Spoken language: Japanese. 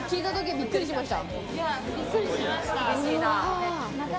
びっくりしました。